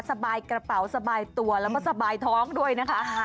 สบายกระเป๋าสบายตัวแล้วก็สบายท้องด้วยนะคะ